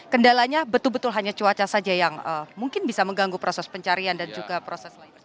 kendalanya betul betul hanya cuaca saja yang mungkin bisa mengganggu proses pencarian dan juga proses lainnya